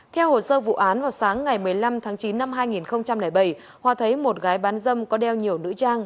theo hồ sơ vụ án vào sáng ngày một mươi năm tháng chín năm hai nghìn bảy hòa thấy một gái bán dâm có đeo nhiều nữ trang